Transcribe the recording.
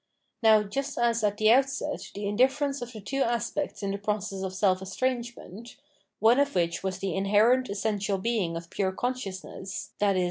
Now, just as at the outset the indifference of the two aspects in the process of self estrangement — one of which was the inherent essential being of pure consciousness, viz.